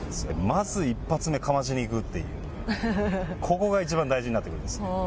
まず一発目かましにいくっていう、ここが一番大事になってくるんです。